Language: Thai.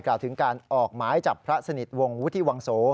ถึงการออกหมายจับพระสนิทวงศ์วุฒิวังโส